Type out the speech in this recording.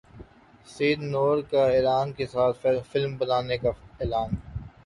سید نور کا ایران کے ساتھ فلم بنانے کا اعلان